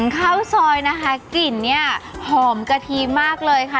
ข้าวซอยนะคะกลิ่นเนี่ยหอมกะทิมากเลยค่ะ